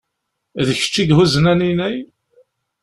D kečč i ihuzzen aninay?